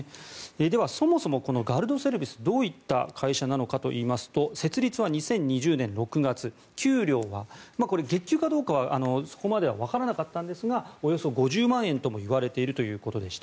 ではそもそもガルドセルビスどういった会社なのかといいますと設立は２０２０年６月給料はこれ、月給かどうかはそこまではわからなかったんですがおよそ５０万円ともいわれているということでした。